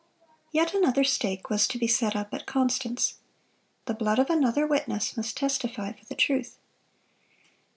Yet another stake was to be set up at Constance. The blood of another witness must testify for the truth.